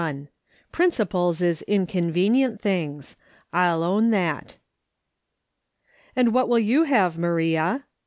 ^'PRINCIPLES IS INCONVENIENT THINGS; I'LL OWN THAT" And what will you have, Maria